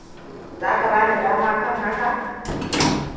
Za ka bani dama kan haka?